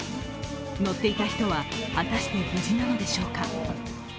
乗っていた人は果たして無事なのでしょうか。